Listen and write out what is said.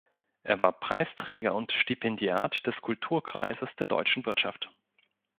Er war Preisträger und Stipendiat des Kulturkreises der Deutschen Wirtschaft.